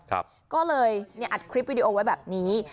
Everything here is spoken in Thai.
ก็เลยเนี่ยอัดคลิปวิดีโอไว้แบบนี้